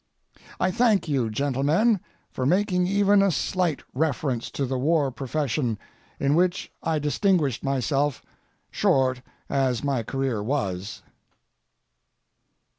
I thank you, gentlemen, for making even a slight reference to the war profession, in which I distinguished myself, short as my career was.